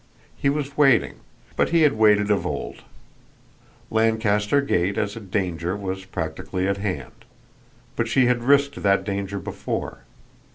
He was waiting but he had waited of old; Lancaster Gate as a danger was practically at hand but she had risked that danger before.